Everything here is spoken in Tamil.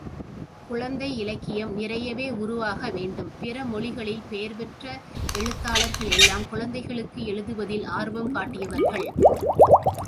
குழந்தை இலக்கியம் நிறையவே உருவாக வேண்டும், பிறமொழிகளில் பேர்பெற்ற எழுத்தாளர்களெல்லாம் குழந்தைகளுக்கு எழுதுவதில் ஆர்வம் காட்டியவர்கள்.